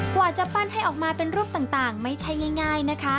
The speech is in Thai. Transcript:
กว่าจะปั้นให้ออกมาเป็นรูปต่างไม่ใช่ง่ายนะคะ